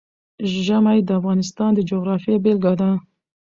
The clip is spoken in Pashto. ژمی د افغانستان د جغرافیې بېلګه ده.